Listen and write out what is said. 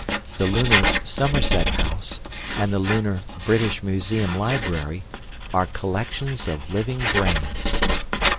The lunar Somerset House and the lunar British Museum Library are collections of living brains...